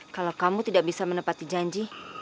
kalau kamu tidak bisa menepati janji